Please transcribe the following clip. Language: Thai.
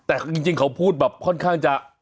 แต่จริงเขาพูดแบบค่อนข้างจะ